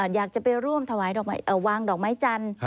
อยากจะไปร่วมถวายวางดอกไม้จันทร์